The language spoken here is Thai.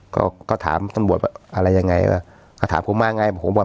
ก็ก็ถามตำรวจว่าอะไรยังไงว่าก็ถามเขามาไงบอกผมว่า